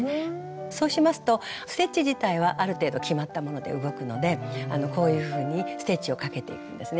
そうしますとステッチ自体はある程度決まったもので動くのでこういうふうにステッチをかけていくんですね。